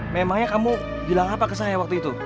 memangnya kamu bilang apa ke saya waktu itu